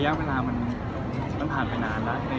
แต่ว่าจะละหมาระยะเวลามันผ่านไปนานแล้ว